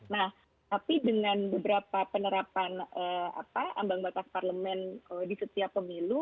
nah tapi dengan beberapa penerapan ambang batas parlemen di setiap pemilu